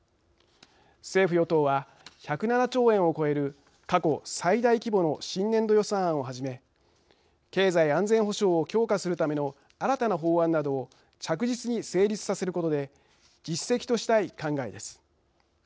政府・与党は１０７兆円を超える過去最大規模の新年度予算案をはじめ経済安全保障を強化するための新たな法案などを着実に成立させることで実績としたい考えです。